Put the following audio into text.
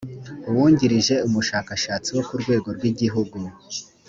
uwungirije umushakashatsi wo ku rwego rw’igihugu